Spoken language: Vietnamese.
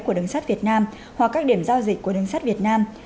của đường sát việt nam hoặc các điểm giao dịch của đường sát việt nam